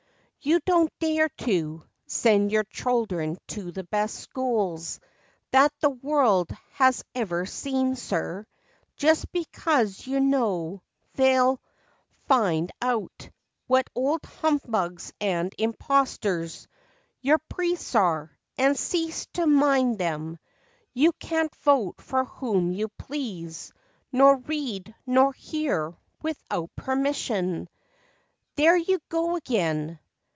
You don't dare to Send your children to the best schools That the world has ever seen, sir, Just because you know they 'll find out What old humbugs and imposters Your priests are—and cease to mind them You can't vote for whom you please, nor Read, nor hear, without permission." FACTS AND FANCIES. 125 "There you go again!